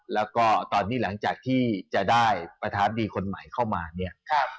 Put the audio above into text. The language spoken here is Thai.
แล้วก็ตอนนี้หลังจากที่จะได้ประทับดีคนใหม่เข้ามาเนี่ย